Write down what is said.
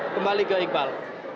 kembali ke iqbal